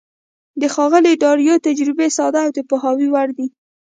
د ښاغلي ډاربي تجربې ساده او د پوهاوي وړ دي.